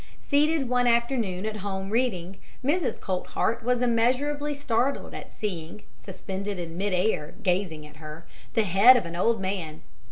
Seated one afternoon at home reading, Mrs. Coltheart was immeasurably startled at seeing, suspended in mid air gazing at her, the head of an old man.